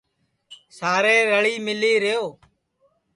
سارے رݪی مِݪی ریہو